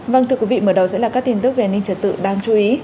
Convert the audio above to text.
vâng thưa quý vị mở đầu sẽ là các tin tức về an ninh trật tự đáng chú ý